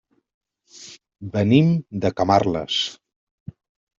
Venim de Camarles.